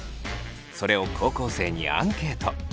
それを高校生にアンケート。